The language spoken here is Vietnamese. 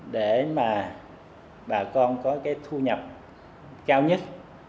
để mà bà con có thu nhập cao nhất